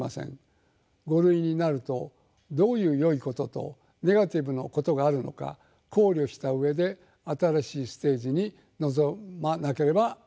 「５類」になるとどういうよいこととネガティブなことがあるのか考慮した上で新しいステージに臨まなければなりません。